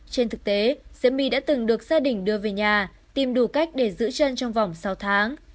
trên thực tế xe my đã từng được gia đình đưa về nhà tìm đủ cách để giữ chân trong vòng sáu tháng